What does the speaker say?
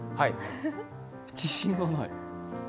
自信がない。